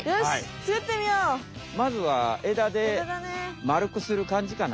まずは枝でまるくするかんじかな？